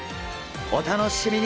お楽しみに！